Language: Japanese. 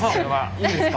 いいですか？